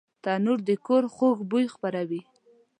تنور د کور خوږ بوی خپروي